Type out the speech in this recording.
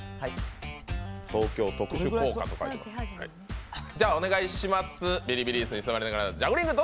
東京特殊効果と書いています。